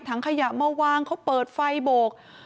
ถังขยะมาวางเขาเปิดไฟโบก